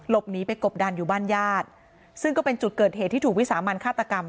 หนีไปกบดันอยู่บ้านญาติซึ่งก็เป็นจุดเกิดเหตุที่ถูกวิสามันฆาตกรรม